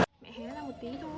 trong ngôi nhà lửa